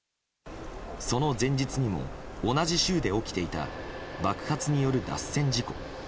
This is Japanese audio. その前日にも同じ州で起きていた爆発による脱線事故。